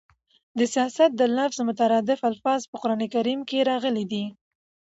د سیاست د لفظ مترادف الفاظ په قران کريم کښي راغلي دي.